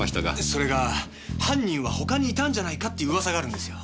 それが犯人は他にいたんじゃないかっていう噂があるんですよ。